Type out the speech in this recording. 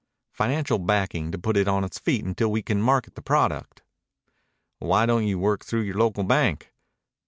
"Financial backing to put it on its feet until we can market the product." "Why don't you work through your local bank?"